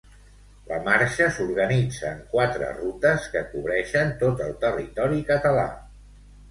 La marxa s'organitza en quatre rutes que cobreixen tot el territori català.